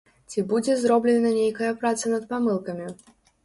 Ці будзе зроблена нейкая праца над памылкамі?